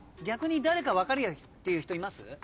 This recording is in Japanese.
逆に誰か分かるよっていう人います？